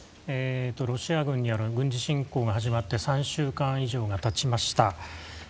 ロシア軍による軍事侵攻が始まって３週間以上が経ちました。